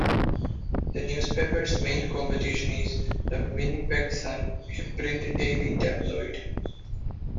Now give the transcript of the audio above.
The newspaper's main competition is the "Winnipeg Sun", a print daily tabloid.